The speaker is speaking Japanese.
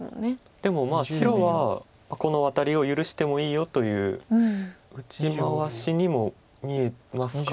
でも白はこのワタリを許してもいいよという打ち回しにも見えますか。